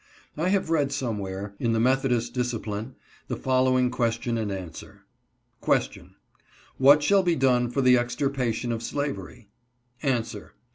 I had read somewhere, in the Methodist Discipline, the following question and answer: "Question. What shall be done for the extirpation of slavery ?" "Answer!